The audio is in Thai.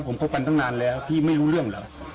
นั้นทั้งนานแล้วพี่ไม่รู้เรื่องหรอก